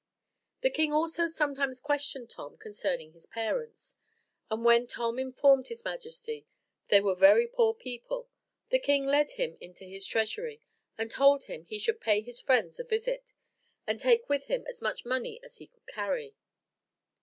The king also sometimes questioned Tom concerning his parents; and when Tom informed his majesty they were very poor people, the king led him into his treasury, and told him he should pay his friends a visit, and take with him as much money as he could carry.